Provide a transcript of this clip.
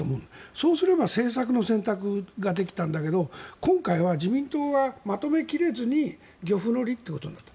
そうすれば政策の選択ができたんだけど今回は自民党がまとめ切れずに漁夫の利となった。